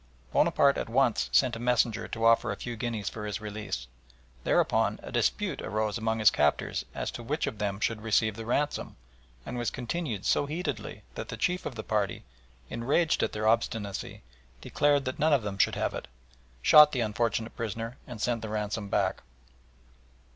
Bonaparte at once sent a messenger to offer a few guineas for his release. Thereupon a dispute arose among his captors as to which of them should receive the ransom, and was continued so heatedly that the chief of the party, enraged at their obstinacy, declaring that none of them should have it, shot the unfortunate prisoner and sent the ransom back.